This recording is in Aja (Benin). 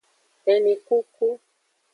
Elinkuku.